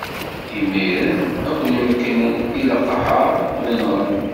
Imiren ad ken-mekknen i leqher, ad ken-nɣen.